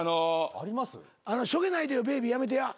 「しょげないでよＢａｂｙ」やめてや。